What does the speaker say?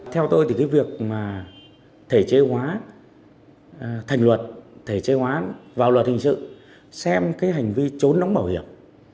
theo tôi thì cái việc mà thể chế hóa thành luật thể chế hóa vào luật hình sự xem cái hành vi trốn đóng bảo hiểm